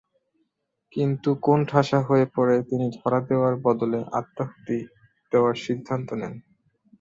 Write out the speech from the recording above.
কিন্তু কোণঠাসা হয়ে পড়ে তিনি ধরা দেওয়ার বদলে আত্মাহুতি দেওয়ার সিদ্ধান্ত নেন।